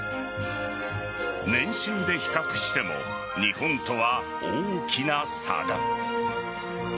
年収で比較しても日本とは大きな差が。